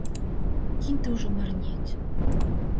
Кінь ты ўжо марнець!